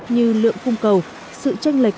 như lượng khung cầu sự tranh lệch